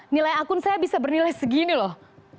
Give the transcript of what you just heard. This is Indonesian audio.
nilai akun saya bisa bernilai segini loh